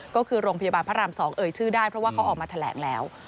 ก็คือโรงพยาบาลพระราม๒เอ่ยชื่อได้เพราะว่าเขาออกมาแถลงแล้ว